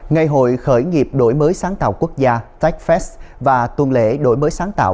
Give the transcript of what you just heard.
ngày hội khởi nghiệp đổi mới sáng tạo quốc gia techfest và tuần lễ đổi mới sáng tạo